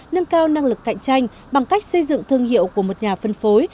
nâng cao năng lực cạnh tranh bằng cách xây dựng thương hiệu của một nhà phân phối